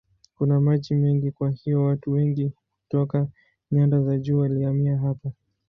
Kuna maji mengi kwa hiyo watu wengi kutoka nyanda za juu walihamia hapa.